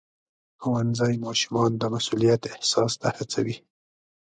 ښوونځی ماشومان د مسؤلیت احساس ته هڅوي.